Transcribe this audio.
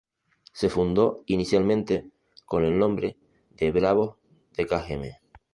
Se fundó inicialmente con el nombre de "Bravos de Cajeme".